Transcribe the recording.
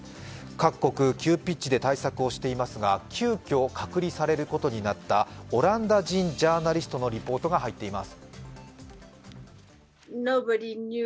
各国、急ピッチで対策をしていますが、急きょ隔離されることになったオランダ人ジャーナリストのリポートが入っています。